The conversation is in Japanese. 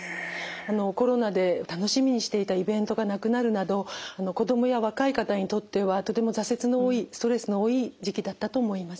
コロナで楽しみにしていたイベントがなくなるなど子供や若い方にとってはとても挫折の多いストレスの多い時期だったと思います。